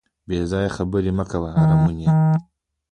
بې ځایه خبري مه کوه .